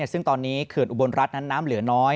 ซึ่งตอนนี้เขื่อนอุบลรัฐนั้นน้ำเหลือน้อย